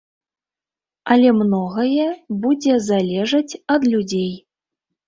Але многае будзе залежаць ад людзей.